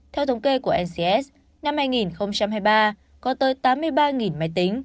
theo thống kê của ncs năm hai nghìn hai mươi ba có tới tám mươi ba máy tính